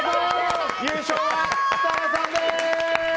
優勝は設楽さんです！